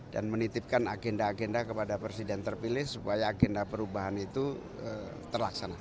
dan menitipkan agenda agenda kepada presiden terpilih supaya agenda perubahan itu terlaksana